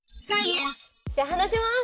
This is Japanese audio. じゃあ離します！